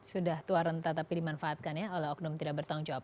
sudah tuaran tetapi dimanfaatkan ya oleh oknum tidak bertanggungjawab